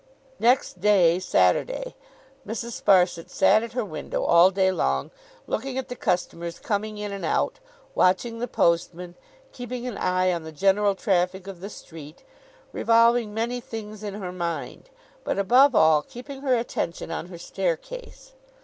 Next day, Saturday, Mrs. Sparsit sat at her window all day long looking at the customers coming in and out, watching the postmen, keeping an eye on the general traffic of the street, revolving many things in her mind, but, above all, keeping her attention on her staircase.